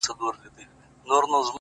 زما د زما د يار راته خبري کوه!